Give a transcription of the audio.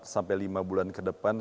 sampai lima bulan ke depan